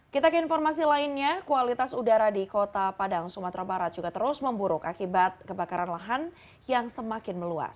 kita ke informasi lainnya kualitas udara di kota padang sumatera barat juga terus memburuk akibat kebakaran lahan yang semakin meluas